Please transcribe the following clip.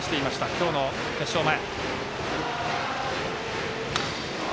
今日の決勝前。